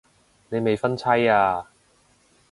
你未婚妻啊